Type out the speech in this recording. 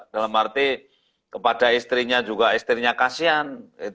dalam arti kepada istrinya juga istrinya kasihan